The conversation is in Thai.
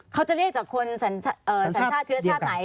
เขาจะเรียกจากคนสัญชาติเชื้อชาติไหน